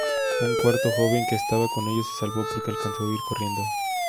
Un cuarto joven que estaba con ellos se salvó porque alcanzó a huir corriendo.